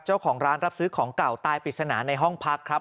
เจ้าของร้านรับซื้อของเก่าตายปริศนาในห้องพักครับ